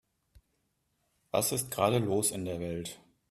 Was ist gerade los in der Welt?